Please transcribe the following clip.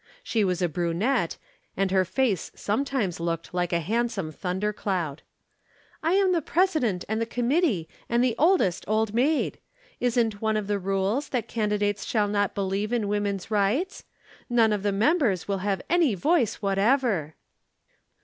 She was a brunette, and her face sometimes looked like a handsome thunder cloud. "I am the President and the Committee and the Oldest Old Maid. Isn't one of the rules that candidates shall not believe in Women's Rights? None of the members will have any voice whatever."